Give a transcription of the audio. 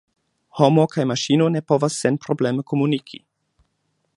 Homo kaj maŝino ne povas senprobleme komuniki.